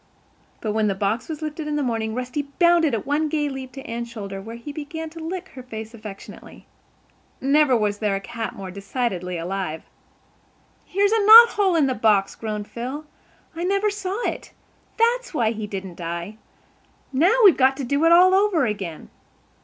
But, when the box was lifted in the morning, Rusty bounded at one gay leap to Anne's shoulder where he began to lick her face affectionately. Never was there a cat more decidedly alive. "Here's a knot hole in the box," groaned Phil. "I never saw it. That's why he didn't die. Now, we've got to do it all over again."